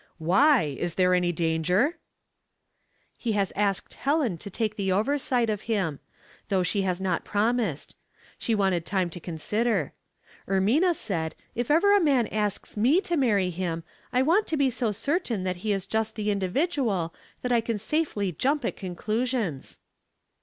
Why ! is there any danger ?"" He has asked Helen to take the oversight of him : though she has not promised. She wanted time to consider. Ermina said :' If ever a maa 150 Househoia Puzzles, asks me to marry him, I want to be so certain that he is just the individaal, that I can safely jump at conclusions.'